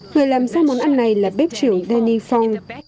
người làm ra món ăn này là bếp trưởng danny fong